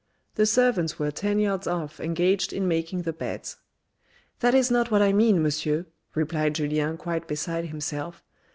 The servants were ten yards off engaged in making the beds. "That is not what I mean, Monsieur," replied Julien quite beside himself.